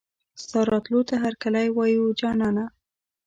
ستا راتلو ته هرکلی وايو جانانه